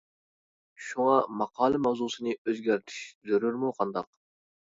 شۇڭا ماقالە ماۋزۇسىنى ئۆزگەرتىش زۆرۈرمۇ قانداق.